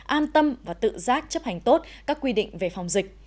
an tâm và tự giác chấp hành tốt các quy định về phòng dịch